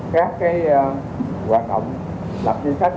các hoạt động lập chính sách